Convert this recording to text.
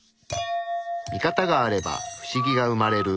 ミカタがあればフシギが生まれる。